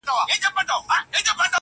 لاري د مغولو چي سپرې سوې پر کېږدیو٫